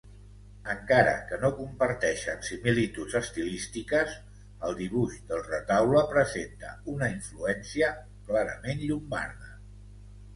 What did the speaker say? Encara que no comparteixen similituds estilístiques, el dibuix del retaule presenta una influència clarament llombarda.